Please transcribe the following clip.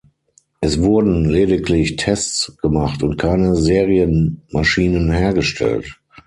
Es wurden lediglich Tests gemacht und keine Serienmaschinen hergestellt.